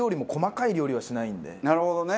なるほどね！